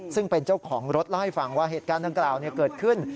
ซึ่งเป็นเจ้าของรถเล่าให้ฟังว่าเหตุการณ์ดังกล่าวเกิดขึ้น